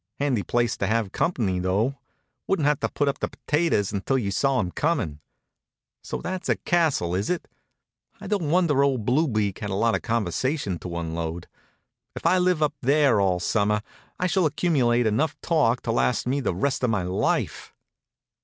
Handy place to have company, though; wouldn't have to put on the potatoes until you saw 'em coming. So that's a castle, is it? I don't wonder old Blue Beak had a lot of conversation to unload. If I live up there all summer I shall accumulate enough talk to last me the rest of my life."